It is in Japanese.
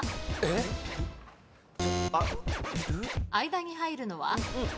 間に入るのは？